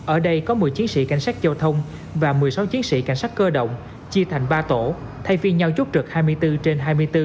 ở đây có một mươi chiến sĩ cảnh sát giao thông và một mươi sáu chiến sĩ cảnh sát cơ động chia thành ba tổ thay phiên nhau chút trực hai mươi bốn trên hai mươi bốn